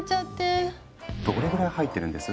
どれぐらい入ってるんです？